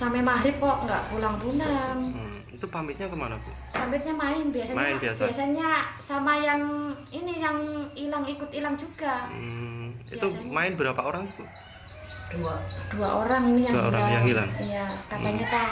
kemudian temannya dua pulang ke rumah sore menjelang malam